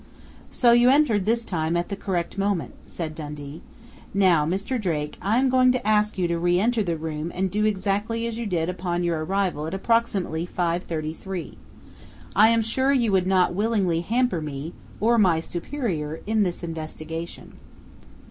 "So you entered this time at the correct moment," said Dundee. "Now, Mr. Drake, I am going to ask you to re enter the room and do exactly as you did upon your arrival at approximately 5:33. I am sure you would not willingly hamper me or my superior in this investigation."